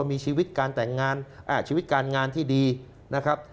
มีชีวิตการงานที่ดีนะครับ